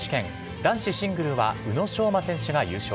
男子シングルは宇野昌磨選手が優勝。